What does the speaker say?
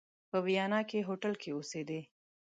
په ویانا کې هوټل کې اوسېدی.